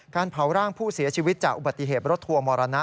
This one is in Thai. เผาร่างผู้เสียชีวิตจากอุบัติเหตุรถทัวร์มรณะ